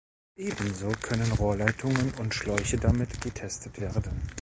Ebenso können Rohrleitungen und Schläuche damit getestet werden.